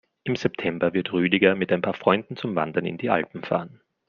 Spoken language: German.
Im September wird Rüdiger mit ein paar Freunden zum Wandern in die Alpen fahren.